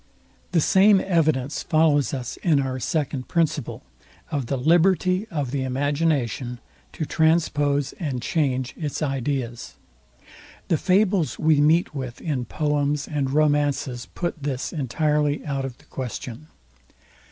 The same evidence follows us in our second principle, OF THE LIBERTY OF THE IMAGINATION TO TRANSPOSE AND CHANGE ITS IDEAS. The fables we meet with in poems and romances put this entirely out of the question.